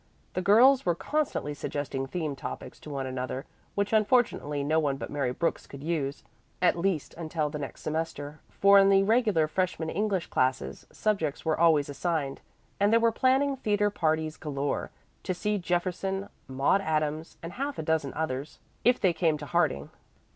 The girls were constantly suggesting theme topics to one another which unfortunately no one but Mary Brooks could use, at least until the next semester; for in the regular freshman English classes, subjects were always assigned. And they were planning theatre parties galore, to see Jefferson, Maude Adams, and half a dozen others if they came to Harding.